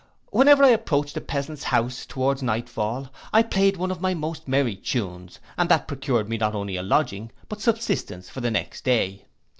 Whenever I approached a peasant's house towards night fall, I played one of my most merry tunes, and that procured me not only a lodging, but subsistence for the next day.